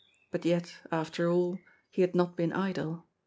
But yet, after all, he had not been idle.